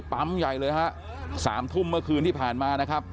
ใหญ่เลยฮะสามทุ่มเมื่อคืนที่ผ่านมานะครับ